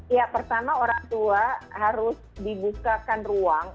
ya pertama orang tua harus dibukakan ruang